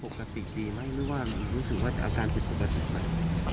ปกติดีไหมหรือว่ามันรู้สึกว่าอาการเป็นปกติ